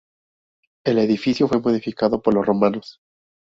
El edificio fue modificado por los romanos.